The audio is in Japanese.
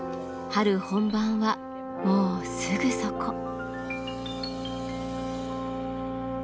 春本番はもうすぐそこ。